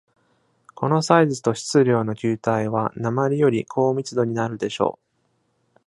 このサイズと質量の球体は鉛より高密度になるでしょう。